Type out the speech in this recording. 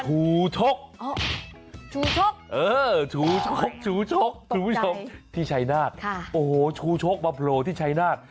ชูชกชูชกชูชกชูชกชูชกที่ชัยนาฏโอ้โหชูชกบับโหลที่ชัยนาฏ